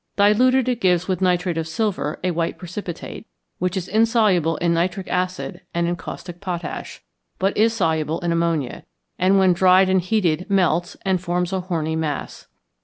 Diluted it gives with nitrate of silver, a white precipitate, which is insoluble in nitric acid and in caustic potash, but is soluble in ammonia, and when dried and heated melts, and forms a horny mass.